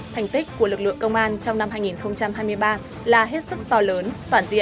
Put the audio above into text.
thành tích của lực lượng công an trong năm hai nghìn hai mươi ba là hết sức to lớn toàn diện